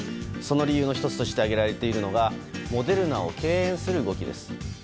その理由の１つとして挙げられているのがモデルナを敬遠する動きです。